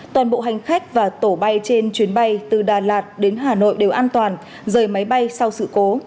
toàn bộ hành khách và tổ bay trên chuyến bay từ đà lạt đến hà nội đều an toàn rời máy bay sau sự cố